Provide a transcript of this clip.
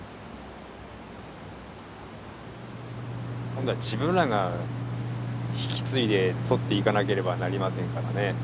今度は自分らが引き継いで獲っていかなければなりませんからね。